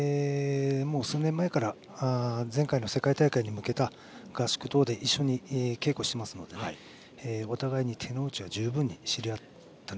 数年前から前回の世界大会に向けた合宿等で一緒に稽古していますのでお互いに手の内は十分知れ合った仲。